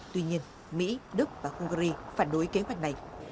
tuy nhiên mỹ đức và hungary phản đối kế hoạch này